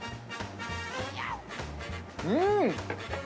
うん！